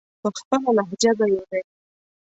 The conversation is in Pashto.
په خپله لهجه به یې ویل.